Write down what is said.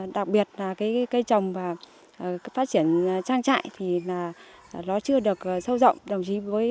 đặc biệt là cây trồng và phát triển trang trại thì nó chưa được sâu rộng